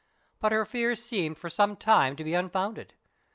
But her fears seemed for some time to be unfounded.